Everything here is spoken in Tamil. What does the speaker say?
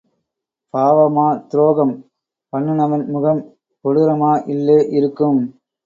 பாவமா துரோகம் பண்ணுனவன் முகம் கொடூரமா இல்லே இருக்கும்.